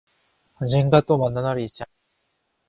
언젠가 또 만날 날이 있지 않겠어요?